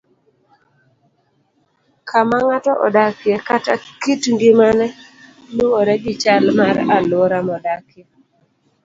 Kama ng'ato odakie kata kit ngimane luwore gi chal mar alwora modakie.